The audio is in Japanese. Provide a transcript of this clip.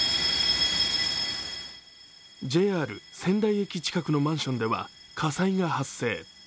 ＪＲ仙台駅近くのマンションでは火災が発生。